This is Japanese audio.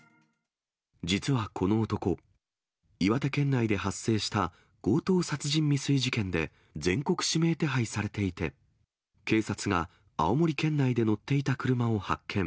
実はこの男、岩手県内で発生した強盗殺人未遂事件で全国指名手配されていて、警察が青森県内で乗っていた車を発見。